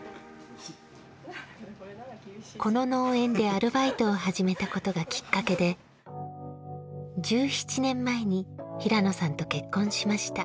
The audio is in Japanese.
この農園でアルバイトを始めたことがきっかけで１７年前に平野さんと結婚しました。